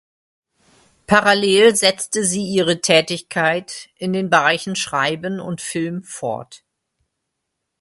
Parallel setzte sie ihre Tätigkeit in den Bereichen Schreiben und Film fort.